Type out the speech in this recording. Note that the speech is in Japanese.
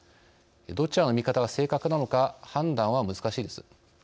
どちらの見方が正確なのか判断は難しいです。